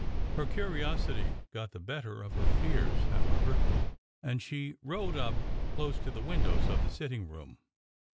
Her curiosity got the better of her fears, however, and she rode up close to the windows of the sitting room.